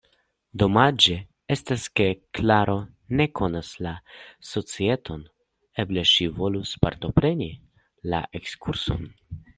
Domaĝe estas, ke Klaro ne konas la societon, eble ŝi volus partopreni la ekskurson.